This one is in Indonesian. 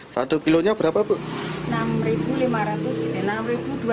satu kilonya berapa bu